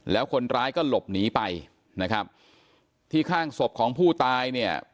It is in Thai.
แล้วคนร้ายก็หลบหนีไปที่ข้างศพของผู้ตาย